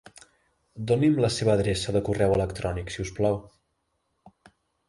Doni'm la seva adreça de correu electrònic si us plau.